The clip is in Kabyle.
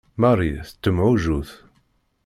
Marie tettemɛujjut.